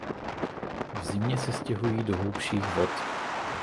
V zimě se stěhují do hlubších vod.